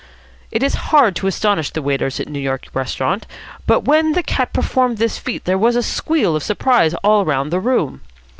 It is hard to astonish the waiters at a New York restaurant, but when the cat performed this feat there was a squeal of surprise all round the room.